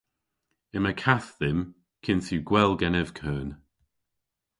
Yma kath dhymm kynth yw gwell genev keun.